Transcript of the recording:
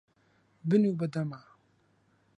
بنوو بە دەما.